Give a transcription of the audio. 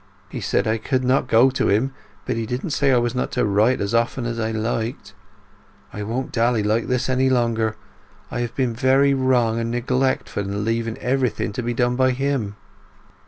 He said I could not go to him, but he didn't say I was not to write as often as I liked. I won't dally like this any longer! I have been very wrong and neglectful in leaving everything to be done by him!"